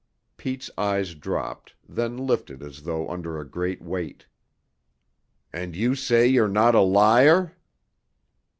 Pete's eyes dropped, then lifted as though under a great weight. "And you say you're not a liar!"